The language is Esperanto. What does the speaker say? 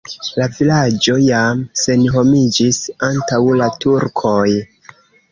La vilaĝo jam senhomiĝis antaŭ la turkoj.